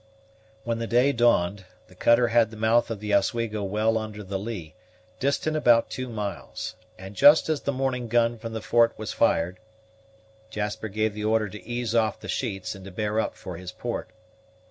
When the day dawned, the cutter had the mouth of the Oswego well under the lee, distant about two miles; and just as the morning gun from the fort was fired, Jasper gave the order to ease off the sheets, and to bear up for his port.